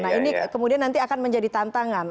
nah ini kemudian nanti akan menjadi tantangan